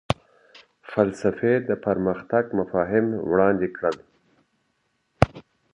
فلسفې د پرمختګ مفاهیم وړاندې کړل.